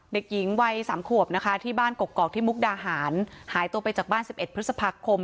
เด็กหญิงวัยสามขวบนะคะที่บ้านกกอกที่มุกดาหารหายตัวไปจากบ้าน๑๑พฤษภาคม